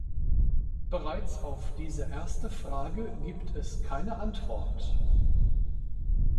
Bereits auf diese erste Frage gibt es keine Antwort!